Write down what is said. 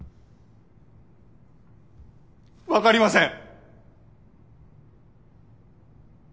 わかりません。